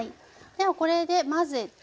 ではこれで混ぜて。